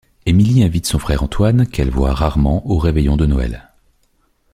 Émilie invite son frère Antoine, qu'elle voit rarement, au réveillon de Noël.